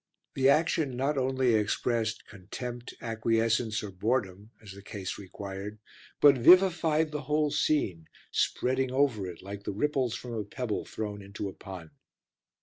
The action not only expressed contempt, acquiescence, or boredom as the case required, but vivified the whole scene, spreading over it like the ripples from a pebble thrown into a pond.